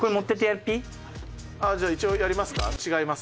じゃあ一応やりますか？